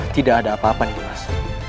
tidak ada apa apa nih mas